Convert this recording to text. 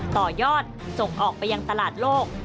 ต่อยอดส่งออกไปยังตลาดโลก